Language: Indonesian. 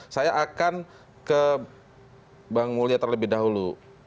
saya akan ke bang mulya terlebih dahulu